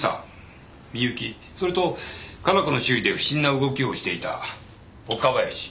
それと加奈子の周囲で不審な動きをしていた岡林